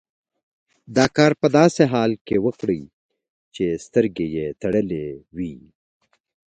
دا کار په داسې حال کې وکړئ چې سترګې یې تړلې وي.